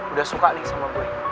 udah suka nih sama kue